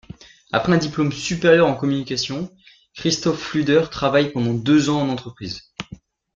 Après un diplôme supérieur en communication, Christophe Fluder travaille pendant deux ans en entreprise.